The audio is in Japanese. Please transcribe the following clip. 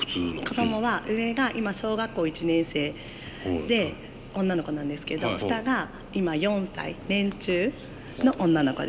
子供は上が今小学校１年生で女の子なんですけど下が今４歳年中の女の子で。